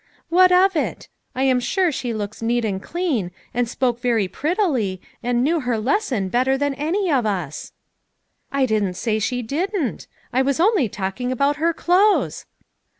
"What of it? I am sure she looks neat and clean, and she spoke very prettily, and knew her lesson better than any of us." " I didn't say she didn't. I was only talking about her clothes."